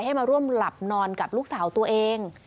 ให้มาร่วมหลับนอนกับลูกสาวตัวเอง